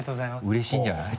うれしいんじゃない？